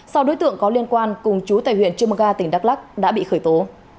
sau đối tượng có liên quan cùng chú tại huyện chumaka tỉnh đắk lắc đã bị khởi tố